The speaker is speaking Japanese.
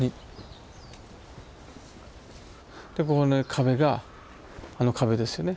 でここの壁があの壁ですよね。